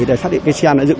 để xác định xe đã dựng